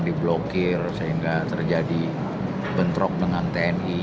diblokir sehingga terjadi bentrok dengan tni